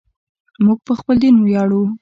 موږ په خپل دین ویاړو.